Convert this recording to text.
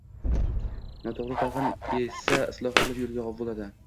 Noto‘g‘ri talqin esa islohotlar yo‘liga g‘ov bo‘ladi.